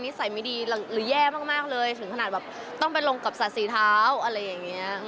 สัยไม่ดีหรือแย่มากเลยถึงขนาดแบบต้องไปลงกับสัตว์สีเท้าอะไรอย่างนี้